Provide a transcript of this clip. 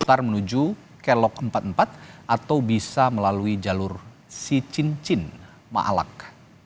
atau bisa melalui jalur si cincin maalak